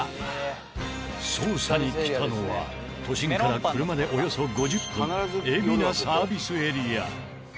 捜査に来たのは都心から車でおよそ５０分海老名サービスエリア。